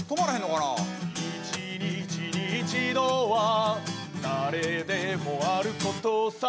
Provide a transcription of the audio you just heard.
「一日に一度は誰でもあることさ」